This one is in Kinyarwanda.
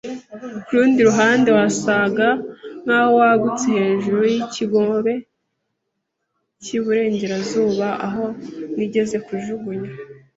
kurundi ruhande, wasaga nkaho wagutse hejuru yikigobe cyiburengerazuba aho nigeze kujugunya